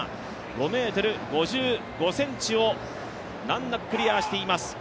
５ｍ５５ｃｍを難なくクリアしています。